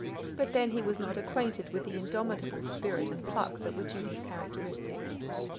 But then he was not acquainted with the indomitable spirit and pluck that were Judy's characteristics.